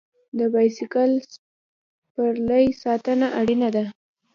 د بایسکل سپرلۍ ساتنه اړینه ده.